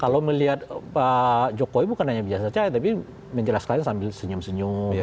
kalau melihat pak jokowi bukan hanya biasa saja tapi menjelaskannya sambil senyum senyum